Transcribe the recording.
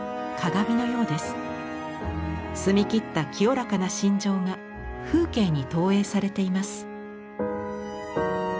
澄みきった清らかな心情が風景に投影されています。